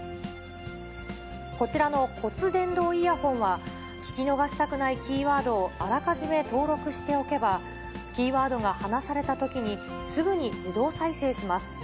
こちらの骨伝導イヤホンは、聞き逃したくないキーワードをあらかじめ登録しておけば、キーワードが話されたときにすぐに自動再生します。